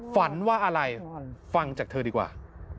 ฝันว่าอะไรฟังจากเธอดีกว่า